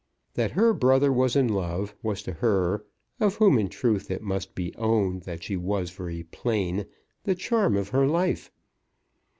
That her brother was in love, was to her, of whom in truth it must be owned that she was very plain, the charm of her life.